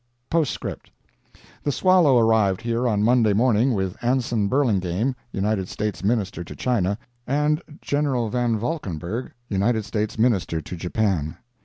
POSTSCRIPT The Swallow arrived here on Monday morning, with Anson Burlingame, United States Minister to China, and General Van Valkenburgh, United States Minister to Japan.